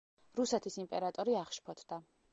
რუსეთის იმპერატორი აღშფოთდა.